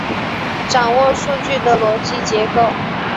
掌握数据的逻辑结构